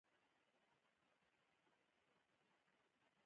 دا يو پياوړي تصور ته اړتيا لري.